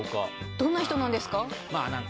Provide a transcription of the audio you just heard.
どんな人なんですか？